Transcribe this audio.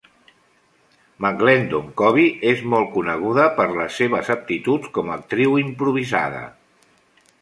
McLendon-Covey és molt coneguda per les seves aptituds com actriu improvisada.